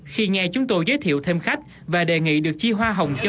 khi nghe chúng tôi giới thiệu thêm khách và đề nghị được chi hoa hồng cho